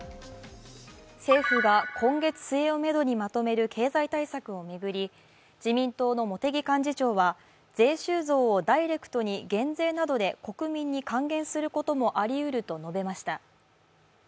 政府が今月末をめどにまとめる経済対策を巡り、自民党の茂木幹事長は税収増をダイレクトに減税などで国民に還元することもありうると述べました。